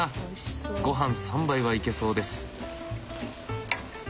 ごはん３杯はいけそうです。